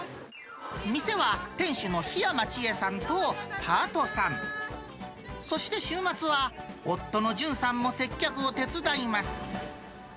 店は店主の樋山千恵さんとパートさん、そして週末は夫の潤さんも接客を手伝います。